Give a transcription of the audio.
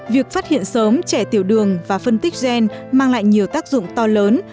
việc phát hiện sớm trẻ tiểu đường và phân tích gen mang lại nhiều tác dụng to lớn